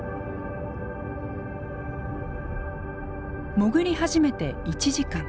潜り始めて１時間。